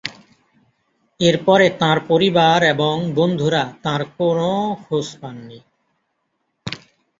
এর পরে তাঁর পরিবার এবং বন্ধুরা তাঁর কোন খোঁজ পাননি।